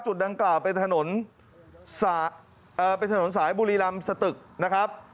จุดดังกล่าวเป็นถนนสายบุรีรำสะตึกนะครับ